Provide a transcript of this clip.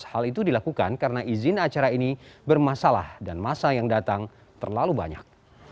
hal itu dilakukan karena izin acara ini bermasalah dan masa yang datang terlalu banyak